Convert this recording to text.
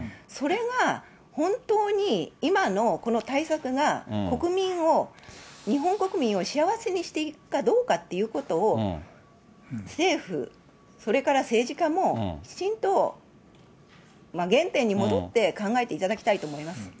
それが、本当に、今のこの対策が、国民を、日本国民を幸せにしているかどうかっていうことを、政府、それから政治家も、きちんと原点に戻って考えていただきたいと思います。